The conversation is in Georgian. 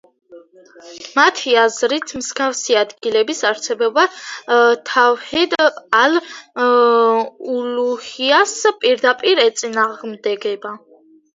მათი აზრით, მსგავსი ადგილების არსებობა თავჰიდ ალ–ულუჰიას პირდაპირ ეწინააღმდეგება.